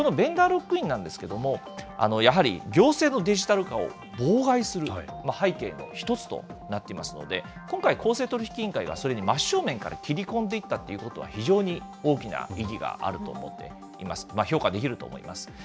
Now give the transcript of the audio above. このベンダーロックインなんですけれども、やはり行政のデジタル化を妨害する背景の一つとなっていますので、今回、公正取引委員会が、それに真正面から切り込んでいったということは、非常に大きな意義があると思っています。